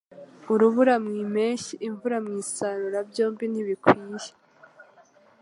Urubura mu mpeshyi imvura mu isarura byombi ntibikwiye